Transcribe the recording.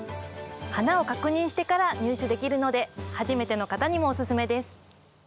花を確認してから入手できるので初めての方にもオススメです。